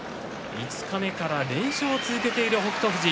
五日目から連勝を続けている北勝富士。